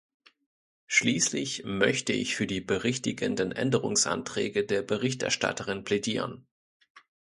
Schließlich möchte ich für die berichtigenden Änderungsanträge der Berichterstatterin plädieren.